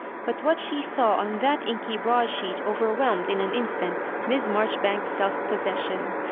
But what she saw on that inky broadsheet over whelmed in an instant Miss Marjoribanks's self possession.